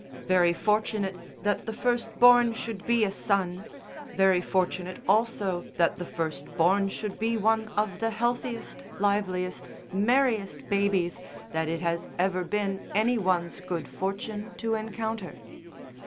Very fortunate that the first born should be a son, very fortunate also that the first born should be one of the healthiest, liveliest, merriest babies that it has ever been any one's good fortune to encounter.